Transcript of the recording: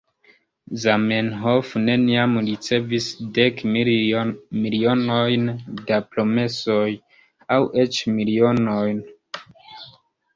Zamenhof neniam ricevis dek milionojn da promesoj, aŭ eĉ milionon.